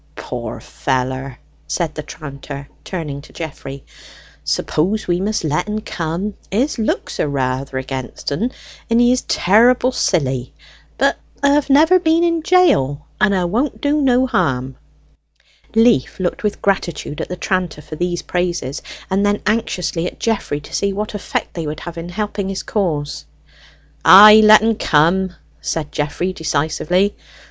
"Poor feller!" said the tranter, turning to Geoffrey. "Suppose we must let en come? His looks are rather against en, and he is terrible silly; but 'a have never been in jail, and 'a won't do no harm." Leaf looked with gratitude at the tranter for these praises, and then anxiously at Geoffrey, to see what effect they would have in helping his cause. "Ay, let en come," said Geoffrey decisively.